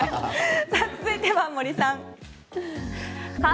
続いては森さん。